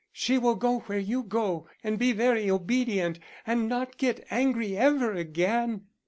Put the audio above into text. She will go where you go and be very obedient and not get angry ever again."